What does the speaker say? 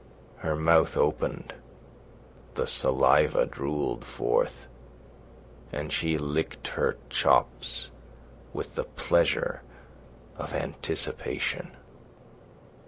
Her mouth opened, the saliva drooled forth, and she licked her chops with the pleasure of anticipation.